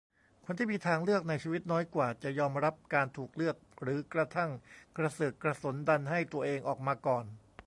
คนที่มีทางเลือกในชีวิตน้อยกว่า จะยอมรับการถูกเลือกหรือกระทั่งกระเสือกกระสนดันให้ตัวเองออกมาก่อน